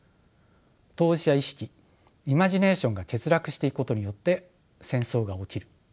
当事者意識イマジネーションが欠落していくことによって戦争が起きる。